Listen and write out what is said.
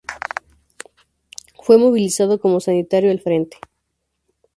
Fue movilizado como sanitario al frente.